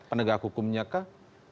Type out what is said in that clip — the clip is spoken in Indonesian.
penegak hukumnya kah